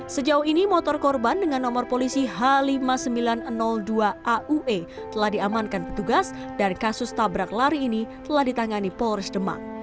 sejauh ini motor korban dengan nomor polisi h lima ribu sembilan ratus dua aue telah diamankan petugas dan kasus tabrak lari ini telah ditangani polres demak